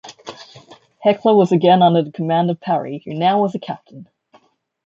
"Hecla" was again under the command of Parry, who now was a captain.